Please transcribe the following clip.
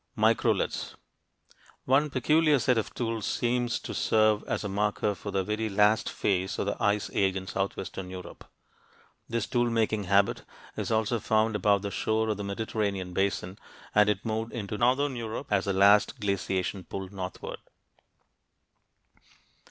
MICROLITHS One peculiar set of tools seems to serve as a marker for the very last phase of the Ice Age in southwestern Europe. This tool making habit is also found about the shore of the Mediterranean basin, and it moved into northern Europe as the last glaciation pulled northward.